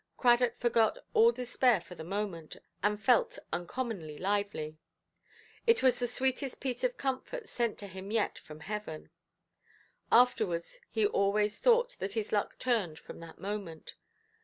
Cradock forgot all despair for the moment, and felt uncommonly lively. It was the sweetest piece of comfort sent to him yet from heaven. Afterwards he always thought that his luck turned from that moment.